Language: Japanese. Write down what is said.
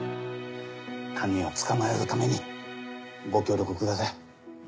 犯人を捕まえるためにご協力ください。